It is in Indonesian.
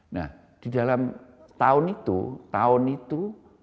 nah di dalam tahun itu tahun itu